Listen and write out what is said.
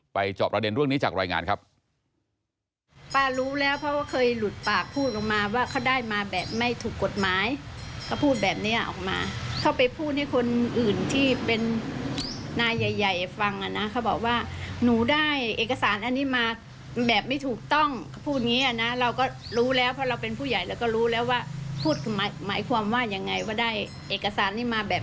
จอบประเด็นเรื่องนี้จากรายงานครับ